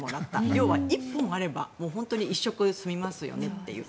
要は１本あれば本当に１食済みますよねという。